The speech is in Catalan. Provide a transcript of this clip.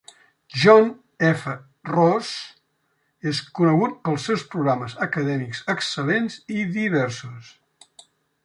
John F. Ross és conegut pels seus programes acadèmics excel·lents i diversos.